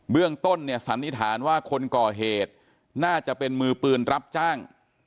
เรื่องต้นเนี่ยสันนิษฐานว่าคนก่อเหตุน่าจะเป็นมือปืนรับจ้าง